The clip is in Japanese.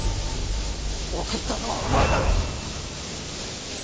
送ったのはお前だろ！